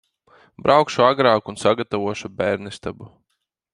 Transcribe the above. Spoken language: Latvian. Braukšu agrāk un sagatavošu bērnistabu.